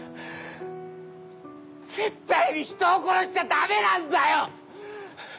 絶対に人を殺しちゃダメなんだよ！